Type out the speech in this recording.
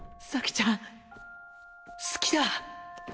ちゃん好きだ